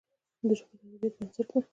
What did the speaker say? ژبه د ادبياتو بنسټ ده